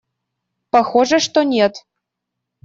Похоже, что нет.